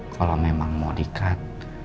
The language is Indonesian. kalau memang mau dikat